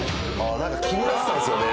気になってたんですよね。